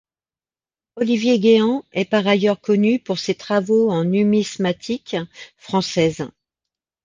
Olivier Guéant est par ailleurs connu pour ses travaux en numismatique française.